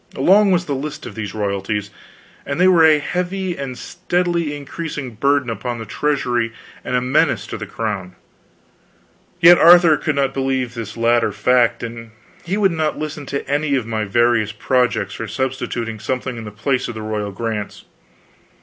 Long was the list of these royalties, and they were a heavy and steadily increasing burden upon the treasury and a menace to the crown. Yet Arthur could not believe this latter fact, and he would not listen to any of my various projects for substituting something in the place of the royal grants.